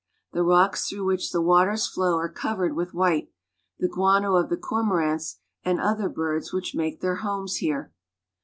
The rocks through which the waters flow are covered with white, the guano of the cormorants and other birds which make their homes here.